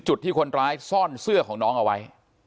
จุดที่คนร้ายซ่อนเสื้อของน้องเอาไว้